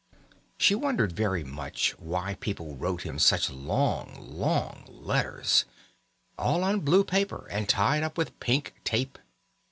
She wondered very much why people wrote him such long, long letters, all on blue paper and tied up with pink tape.